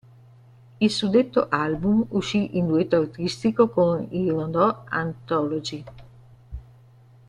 Il suddetto album uscì in duetto artistico con i Rondò Anthology.